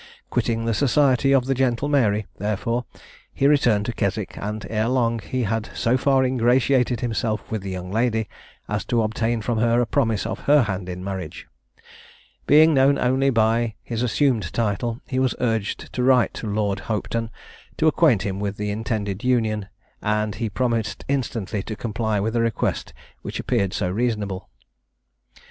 Quitting the society of the gentle Mary, therefore, he returned to Keswick, and, ere long, he had so far ingratiated himself with the young lady, as to obtain from her a promise of her hand in marriage. Being known only by his assumed title, he was urged to write to Lord Hopetoun, to acquaint him with the intended union, and he promised instantly to comply with a request which appeared so reasonable.